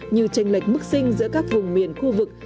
như tranh lệch mức sinh giữa các vùng miền khu vực